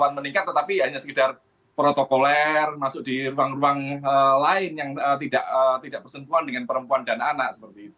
pohon meningkat tetapi hanya sekedar protokoler masuk di ruang ruang lain yang tidak bersentuhan dengan perempuan dan anak